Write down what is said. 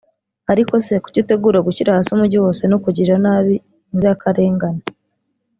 ariko se kuki utegura gushyira hasi Umujyi wose no kugirira nabi inzirakarengane